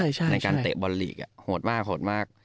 ในการเตะบอลลีกโหดมาก